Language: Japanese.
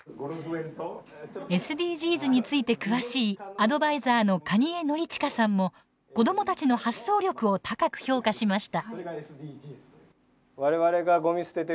ＳＤＧｓについて詳しいアドバイザーの蟹江憲史さんも子どもたちの発想力を高く評価しました。